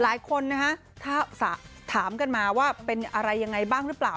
หลายคนนะฮะถ้าถามกันมาว่าเป็นอะไรยังไงบ้างหรือเปล่า